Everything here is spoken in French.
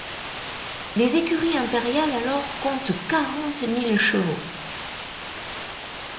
Les écuries impériales alors comptent quarante mille chevaux.